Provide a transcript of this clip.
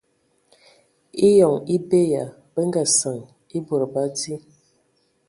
Eyɔŋ e be ya bə nga səŋ e bod ba di.